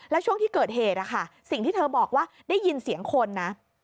แล้วช่วงที่เกิดเหตุสิ่งที่เธอบอกว่าได้ยินเสียงคนนะ